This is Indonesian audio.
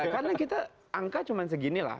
karena kita angka cuma segini lah